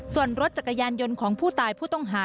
ส่วนรถจักรยานยนต์ของผู้ตายผู้ต้องหา